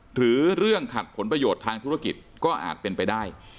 หรือเรื่องขัดผลประโยชน์ทางธุรกิจก็อาจเป็นไปได้